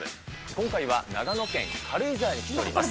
今回は長野県軽井沢に来ております。